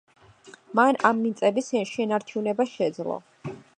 მან ამ მიწების შენარჩუნება შეძლო.